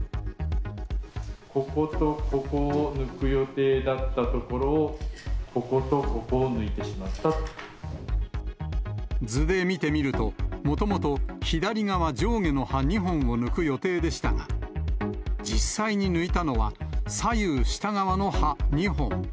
こことここを抜く予定だったところを、図で見てみると、もともと左側上下の歯２本を抜く予定でしたが、実際に抜いたのは左右下側の歯２本。